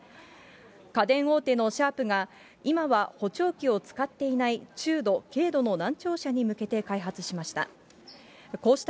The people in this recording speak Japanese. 家電大手のシャープが、今は補聴器を使っていない中度、軽度の難聴者に向けて開発しました。